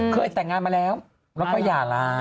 เคยแต่งงานมาแล้วเราก็อย่าร้า